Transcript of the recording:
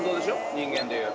人間でいう。